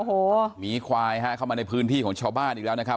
โอ้โหหมีควายฮะเข้ามาในพื้นที่ของชาวบ้านอีกแล้วนะครับ